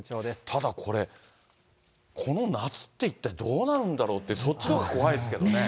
ただこれ、この夏って、一体どうなるんだろうって、そっちのほうが怖いですけどね。